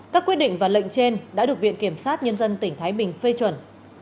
các quyết định và lệnh trên đã được viện kiểm sát nhân dân tỉnh thái bình phê chuẩn